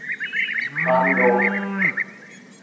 ファンド